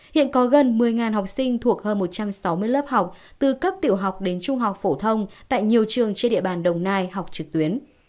hiện có gần một mươi học sinh thuộc hơn một trăm sáu mươi lớp học từ cấp tiểu học đến trung học phổ thông tại nhiều trường trên địa bàn đồng nai học trực tuyến